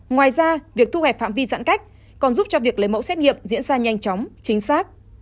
ngoài ra việc thu hẹp phạm vi giãn cách còn giúp cho việc lấy mẫu xét nghiệm diễn ra nhanh chóng chính xác